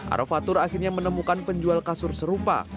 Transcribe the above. arofatur akhirnya menemukan penjual kasur serupa